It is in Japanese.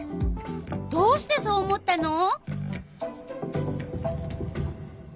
どうしてそう思ったの？